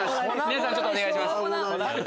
皆さんお願いします。